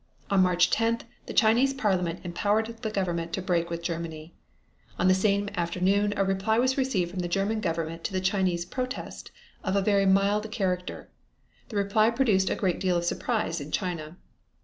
On March 10th the Chinese Parliament empowered the government to break with Germany. On the same afternoon a reply was received from the German Government to the Chinese protest, of a very mild character. The reply produced a great deal of surprise in China.